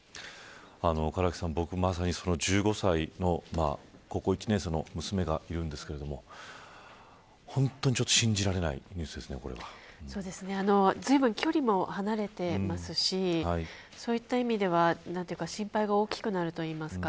唐木さん、まさに僕、１５歳の高校１年生の娘がいるんですけれども本当にずいぶん距離も離れていますしそういった意味では心配が大きくなるといいますか。